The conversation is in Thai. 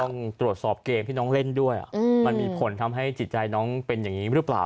ต้องตรวจสอบเกมที่น้องเล่นด้วยมันมีผลทำให้จิตใจน้องเป็นอย่างนี้หรือเปล่า